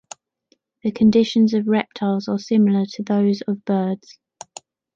The conditions of reptiles are similar to those of birds.